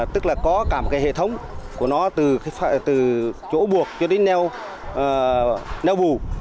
tức là có cả một cái hệ thống của nó từ chỗ buộc cho đến neo bù